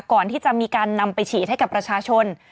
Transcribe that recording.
ก่อนที่จะมีการนำไปฉีดให้กับประชาชน